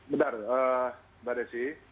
benar mbak desi